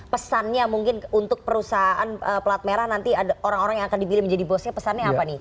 pesannya mungkin untuk perusahaan pelat merah nanti orang orang yang akan dipilih menjadi bosnya pesannya apa nih